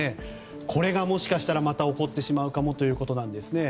これが、もしかしたらまた起こってしまうかもということです。